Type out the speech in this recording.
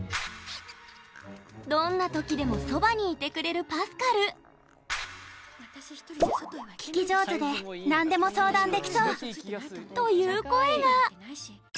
どんな時でもそばにいてくれるパスカルという声が！